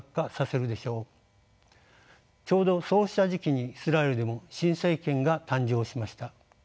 ちょうどそうした時期にイスラエルでも新政権が誕生しました。